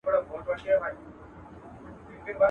برج دي تر اسمانه رسېږي، سپي دي د لوږي مري.